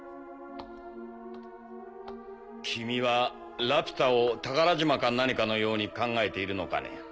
君はラピュタを宝島か何かのように考えているのかね？